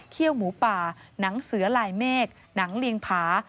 หมูป่าหนังเสือลายเมฆหนังเลียงผา